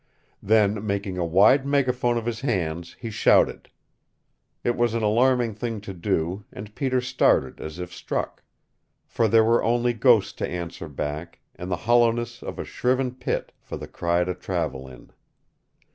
Then making a wide megaphone of his hands, he shouted. It was an alarming thing to do and Peter started as if struck. For there were only ghosts to answer back and the hollowness of a shriven pit for the cry to travel in.